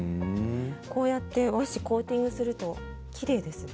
こうやって和紙をコーティングするときれいですね。